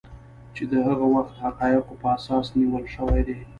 چې د هغه وخت حقایقو په اساس نیول شوي دي